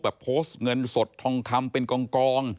โพสต์เงินสดทองคำเป็นกอง